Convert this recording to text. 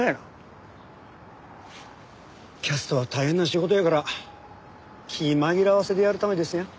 キャストは大変な仕事やから気ぃ紛らわせてやるためですやん。